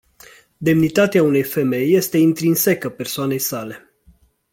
Demnitatea unei femei este intrinsecă persoanei sale.